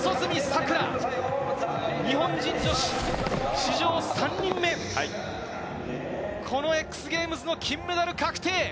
さくら、日本人女子、史上３人目、このＸＧａｍｅｓの金メダル確定！